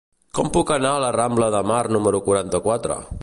Com puc anar a la rambla de Mar número quaranta-quatre?